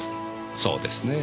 そうですねえ。